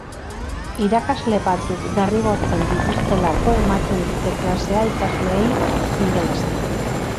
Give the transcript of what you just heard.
Irakasle batzuk derrigortzen dituztelako ematen dute klasea ikasleei ingelesez.